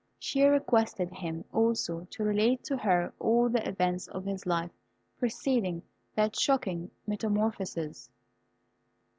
She requested him also to relate to her all the events of his life preceding that shocking metamorphosis.